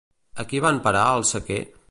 A qui van parar al sequer?